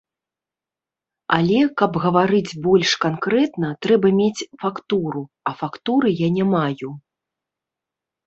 Але каб гаварыць больш канкрэтна, трэба мець фактуру, а фактуры я не маю.